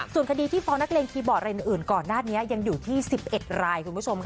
ส่วนคดีที่ฟ้องนักเลงคีย์บอร์ดอะไรอื่นก่อนหน้านี้ยังอยู่ที่๑๑รายคุณผู้ชมค่ะ